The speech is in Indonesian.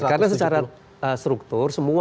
karena secara struktur